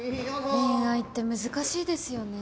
恋愛って難しいですよね。